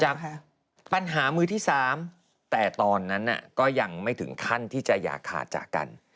ปัญหามือที่๓แต่ตอนนั้นก็ยังไม่ถึงขั้นที่จะอย่าขาดจากกัน